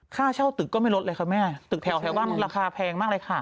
ค่าเช่าตึกก็ไม่ลดเลยค่ะแม่ตึกแถวบ้านราคาแพงมากเลยค่ะ